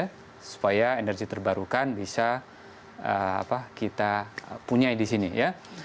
kita bisa mengerjai energi terbarukan bisa kita punya di sini ya